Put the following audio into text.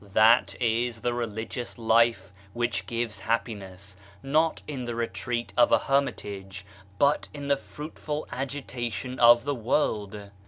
That is the religious life which gives happiness, not in the retreat of a hermitage, but in the fruitful agitation of the world.